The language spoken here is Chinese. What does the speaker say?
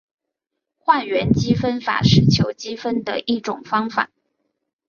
换元积分法是求积分的一种方法。